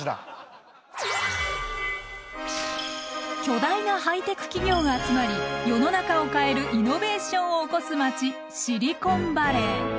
巨大なハイテク企業が集まり世の中を変えるイノベーションを起こす街シリコンバレー。